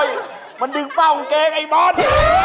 โอ๊ยมันดึงเป้าของเกงไอ้บอส